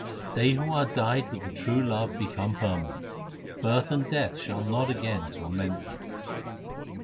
They who are dyed with the true love become permanent ; birth and death shall not again torment them.